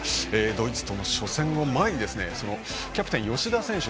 ドイツとの初戦を前にキャプテンの吉田選手